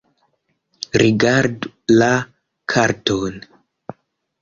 Rigardu la karton